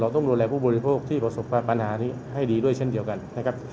ต้องดูแลผู้บริโภคที่ประสบปัญหานี้ให้ดีด้วยเช่นเดียวกันนะครับ